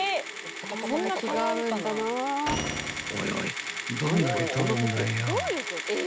［おいおいどんだけ撮るんだよ］